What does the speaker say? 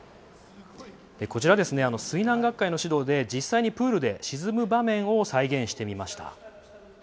水難学会の指導で、実際にプールで沈む場面を再現してみました。